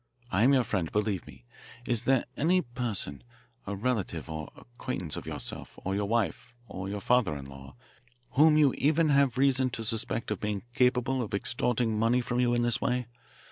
I am your friend, believe me. Is there any person, a relative or acquaintance of yourself or your wife or your father in law, whom you even have reason to suspect of being capable of extorting money from you in this way?